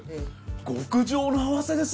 極上のあわせです！